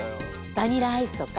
バニラアイスとか？